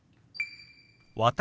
「私」。